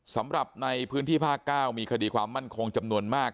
สำหรับในพื้นที่ภาค๙มีคดีความมั่นคงจำนวนมาก